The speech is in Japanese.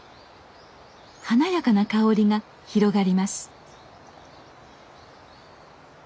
華やかな香りが広がります。